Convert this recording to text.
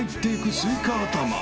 スイカ頭。